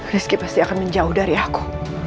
rizki pasti akan menjauh dari aku